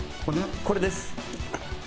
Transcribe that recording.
これです。